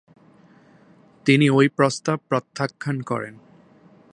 তিনি ঐ প্রস্তাব প্রত্যাখ্যান করেন।